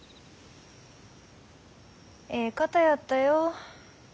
えい方やったよ。